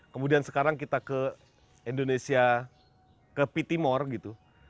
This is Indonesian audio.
kemudian sekarang kita ke indonesia ke pityamore gitu